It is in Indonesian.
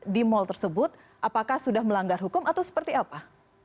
di mal tersebut apakah sudah melanggar hukum atau seperti apa